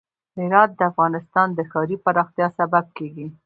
هرات د افغانستان د ښاري پراختیا سبب کېږي.